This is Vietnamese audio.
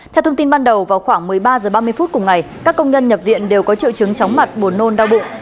theo thông tin ban đầu vào khoảng một mươi ba h ba mươi phút cùng ngày các công nhân nhập viện đều có triệu chứng chóng mặt buồn nôn đau bụng